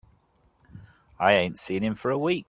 I ain't seen him for a week.